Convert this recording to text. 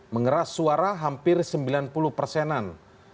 mengeras suara hampir sembilan puluh persenan